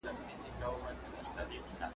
نن د افغانستان او سیمي د لوی محقق